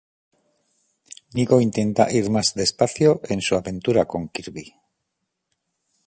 Nico intenta ir más despacio en su aventura con Kirby.